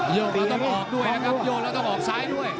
โยกแล้วต้องออกด้วยนะครับโยกแล้วต้องออกซ้ายด้วย